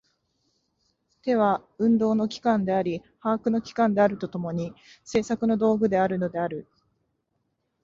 手は運動の機関であり把握の機関であると共に、製作の道具であるのである。